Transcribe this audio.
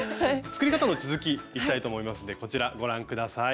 作り方の続きいきたいと思いますんでこちらご覧下さい。